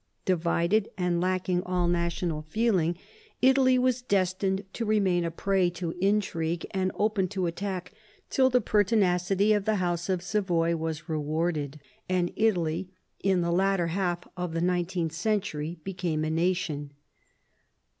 Divided, and lacking all national feeling, Italy was 22 CHAP. II THE REBELLION IN NAPLES 23 destined to remain a prey to intrigue and open to attack till the pertinacity of the house of Savoy was rewarded, and Italy, in the latter half of the nineteenth century, became a nation.